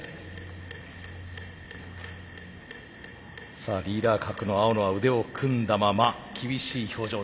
さあリーダー格の青野は腕を組んだまま厳しい表情です。